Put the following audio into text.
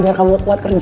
ya biar kamu kuat kerja